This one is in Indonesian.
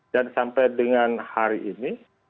dan sampai dengan hari ini